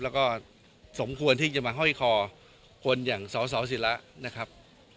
แล้วก็สมควรที่จะมาห้อยคอคนอย่างสสิระนะครับ